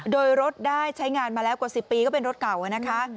โดยรถได้ใช้งานมาแล้วกว่า๑๐ปีก็เป็นรถเก่านะคะ